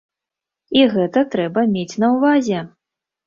І гэта трэба мець на ўвазе.